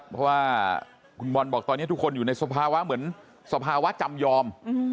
เพราะว่าคุณบอลบอกตอนนี้ทุกคนอยู่ในสภาวะเหมือนสภาวะจำยอม